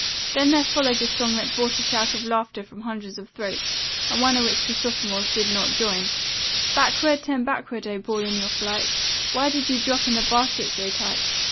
Then there followed a song that brought a shout of laughter from hundreds of throats, and one in which the sophomores did not join: Backward, turn backward, O ball in your flight, Why did you drop in the basket so tight?